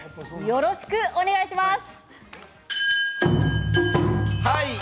よろしくお願いします。